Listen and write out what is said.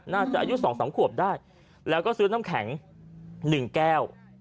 อายุ๒๓ขวบได้แล้วก็ซื้อน้ำแข็ง๑แก้ว